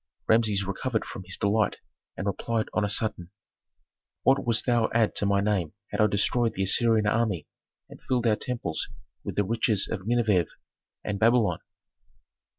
Rameses recovered from his delight and replied on a sudden, "What wouldst thou add to my name had I destroyed the Assyrian army and filled our temples with the riches of Nineveh and Babylon?"